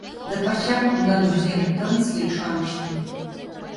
Да парчам кумдан рӱзен Тынысле ӱшаныште.